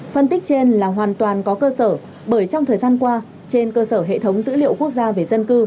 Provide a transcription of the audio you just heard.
vn là hoàn toàn có cơ sở bởi trong thời gian qua trên cơ sở hệ thống dữ liệu quốc gia về dân cư